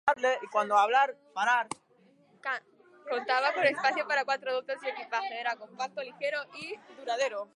Contaba con espacio para cuatro adultos y equipaje, era compacto, ligero y duradero.